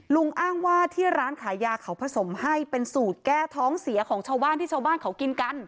ลุงอ้างว่าที่ร้านขายยาเขาผสมให้เป็นสูตรแก้ท้องเสียของชาวบ้านที่ชาวบ้านเขากินกัน